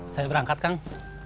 saya berangkat kang